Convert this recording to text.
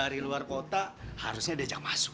dari luar kota harusnya diajak masuk